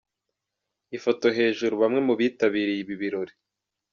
Ifoto hejuru : Bamwe mu bitabiriye ibi birori.